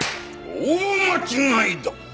大間違いだ！